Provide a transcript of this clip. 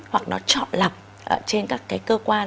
hoặc nó trọ lập trên các cái cơ quan